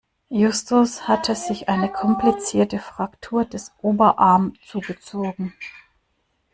Justus hatte sich eine komplizierte Fraktur des Oberarm zugezogen.